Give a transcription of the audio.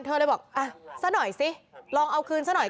เธอเลยบอกอะสั้นหน่อยสิลองเอาคืนสั้นหน่อย